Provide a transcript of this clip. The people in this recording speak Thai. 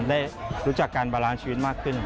ได้รู้จักการบารานซ์ชีวิตมากขึ้น